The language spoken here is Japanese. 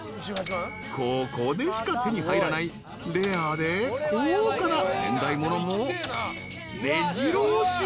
［ここでしか手に入らないレアで高価な年代物もめじろ押し］